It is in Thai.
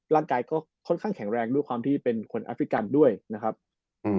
ร่างกายก็ค่อนข้างแข็งแรงด้วยความที่เป็นคนแอฟริกันด้วยนะครับอืม